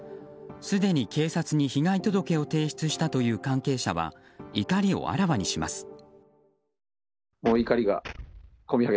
すでに警察に被害届を提出したという関係者は怒りをあらわにします。